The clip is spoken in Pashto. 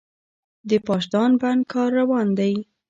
د پاشدان بند کار روان دی؟